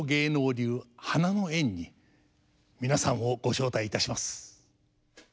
流花の宴に皆さんをご招待いたします。